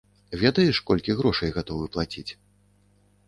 Ведаеш, колькі грошай гатовы плаціць?